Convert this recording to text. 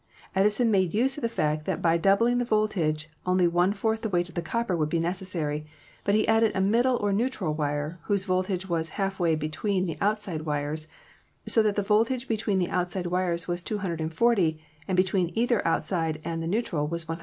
Edison made use of the fact that by doubling the voltage only one fourth the weight of copper would be necessary, but he added a middle or neutral wire, whose voltage was half way be tween the outside wires, so that the voltage between the outside wires was 240, and between either outside and the neutral was 120.